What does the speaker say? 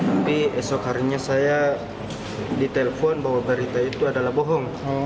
tapi esok harinya saya ditelepon bahwa berita itu adalah bohong